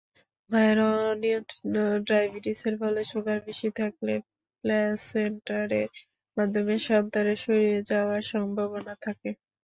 মায়ের অনিয়ন্ত্রিত ডায়াবেটিসের ফলে সুগার বেশি থাকলে প্লাসেন্টারের মাধ্যমে সন্তানের শরীরে যাওয়ার সম্ভাবনা থাকে।